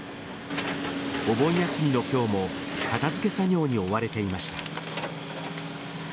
お盆休みの今日も片付け作業に追われていました。